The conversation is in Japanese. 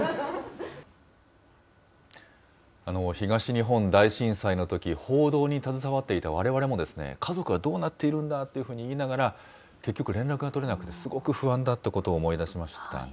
東日本大震災のとき、報道に携わっていたわれわれも、家族はどうなっているんだというふうにみながら、結局、連絡が取れなくて、すごく不安だったことを思い出しましたね。